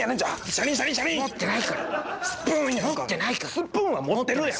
スプーンは持ってるやん。